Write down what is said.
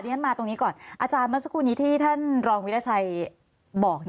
ฉันมาตรงนี้ก่อนอาจารย์เมื่อสักครู่นี้ที่ท่านรองวิราชัยบอก